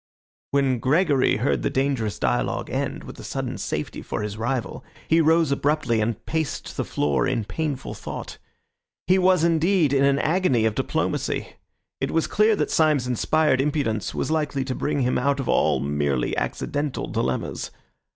When Gregory heard the dangerous dialogue end, with a sudden safety for his rival, he rose abruptly and paced the floor in painful thought. He was, indeed, in an agony of diplomacy. It was clear that Syme's inspired impudence was likely to bring him out of all merely accidental dilemmas.